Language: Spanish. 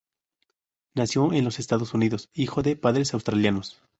Nació en los Estados Unidos, hijo de padres australianos.